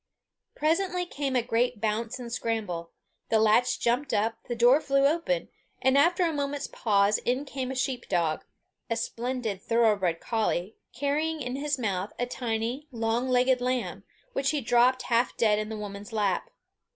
Presently came a great bounce and scramble; the latch jumped up, the door flew open, and after a moment's pause, in came a sheep dog a splendid thorough bred collie, carrying in his mouth a tiny, long legged lamb, which he dropped half dead in the woman's lap.